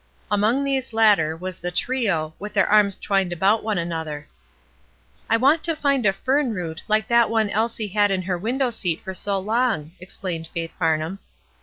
Among these latter was the 'Hrio/' with their arms twined about one another. '^I want to find a fern root hke that one Elise had in her window seat for so long," explained Faith Farnham.